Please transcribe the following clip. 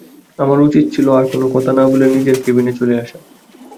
আমার উচিত ছিল আর কোনো কথা না বলে নিজের কেবিনে চলে আসা।